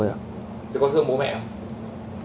thế có thương bố mẹ không